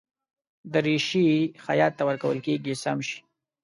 دریشي خیاط ته ورکول کېږي چې سم شي.